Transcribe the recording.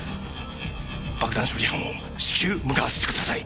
爆弾処理班を至急向かわせて下さい。